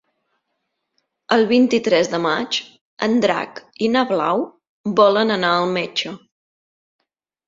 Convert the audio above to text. El vint-i-tres de maig en Drac i na Blau volen anar al metge.